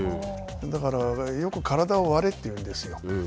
だから、よく体を割れというんですよ。